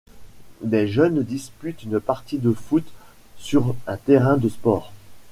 Des jeunes disputent une partie de foot sur un terrain de sport.